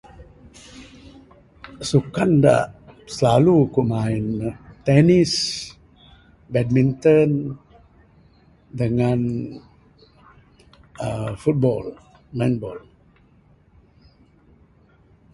Sukan da silalu ku main neh, tennis, badminton dangan aaa football, main bol.